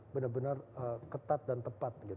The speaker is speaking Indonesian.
benar benar ketat dan tepat